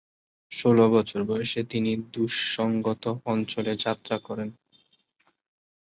ষোল বছর বয়সে তিনি দ্বুস-গ্ত্সাং অঞ্চলে যাত্রা করেন।